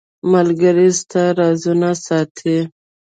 • ملګری ستا رازونه ساتي.